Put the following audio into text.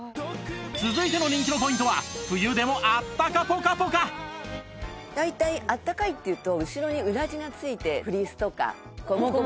続いての人気のポイントは冬でも大体あったかいっていうと後ろに裏地がついてフリースとか。